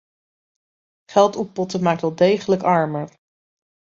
Geld oppotten maakt wel degelijk armer.